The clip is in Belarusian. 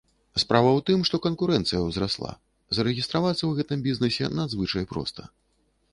Справа ў тым, што канкурэнцыя ўзрасла, зарэгістравацца ў гэтым бізнэсе надзвычай проста.